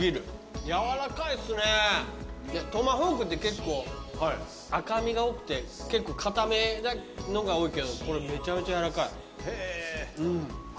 トマホークって結構赤身が多くて結構硬めのが多いけどこれめちゃめちゃやわらかい。